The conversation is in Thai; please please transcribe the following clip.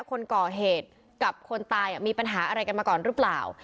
คนก่อเหตุกับคนตายมีปัญหาอะไรกันมาก่อนหรือเปล่า